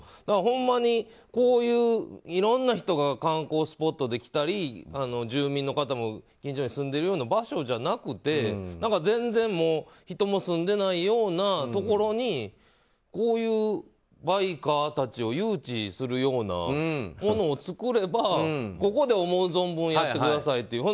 だから、ほんまにこういういろんな人が観光スポットで来たり住民の方も近所に住んでるような場所じゃなくて全然人も住んでないようなところにこういうバイカーたちを誘致するようなものを作ればそこで思う存分やってくださいと。